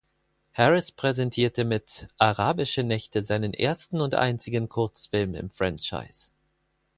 Harris präsentierte mit "Arabische Nächte" seinen ersten und einzigen Kurzfilm im Franchise.